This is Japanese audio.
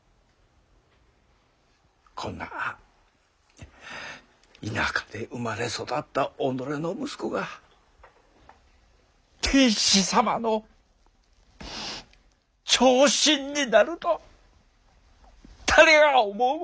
こんな田舎で生まれ育った己の息子が天子様の朝臣になると誰が思うもんか。